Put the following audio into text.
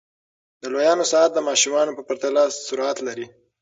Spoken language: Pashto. د لویانو ساعت د ماشومانو په پرتله سرعت لري.